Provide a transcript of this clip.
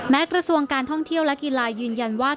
กระทรวงการท่องเที่ยวและกีฬายืนยันว่า